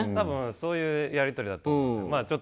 そういうやり取りだと思います。